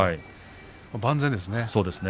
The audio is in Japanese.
万全ですね。